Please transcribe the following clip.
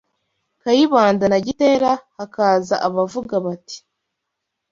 Kayibanda na Gitera, hakaza abavuga bati